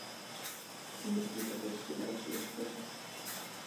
Jako další stavební materiál je použit vápenec.